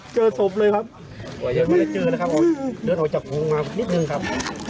เจอศพเลยครับ